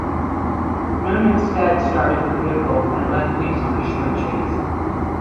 Moon instead started the vehicle and led police on a short chase.